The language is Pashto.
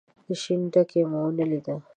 شين ډکی مو ونه ليد.